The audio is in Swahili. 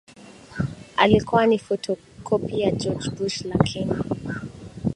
alikuwa ni fotokopi ya George Bush Lakini